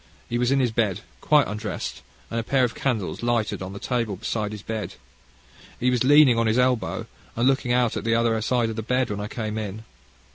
He was in his bed, quite undressed, and a pair of candles lighted on the table beside his bed. He was leaning on his elbow, and looking out at the other side of the bed when I came in.